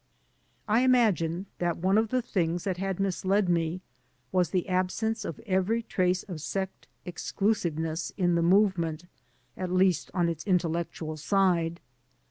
I imagine that one of the things that had misled me was the absence of every trace of sect exclusiveness in the movement, at least on its intellectual side.